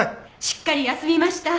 しっかり休みました。